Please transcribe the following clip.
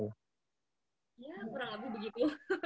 ya kurang lebih begitu